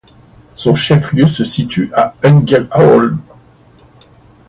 Son chef-lieu se situe à Ängelholm.